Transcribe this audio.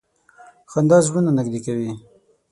• خندا زړونه نږدې کوي.